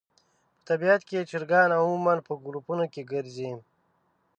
په طبیعت کې چرګان عموماً په ګروپونو کې ګرځي.